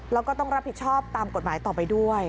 แล้วก็ต้องรับผิดชอบตามกฎหมายต่อไปด้วย